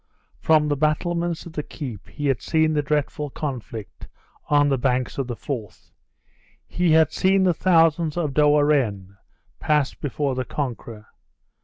From the battlements of the keep he had seen the dreadful conflict on the banks of the Forth he had seen the thousands of De Warenne pass before the conqueror.